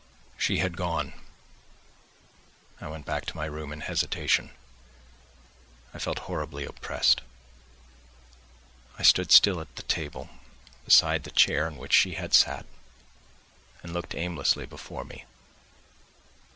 She had gone. I went back to my room in hesitation. I felt horribly oppressed. I stood still at the table, beside the chair on which she had sat and looked aimlessly before me.